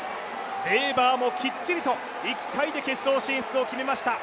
ベーバーもきっちりと１回で決勝進出を決めました。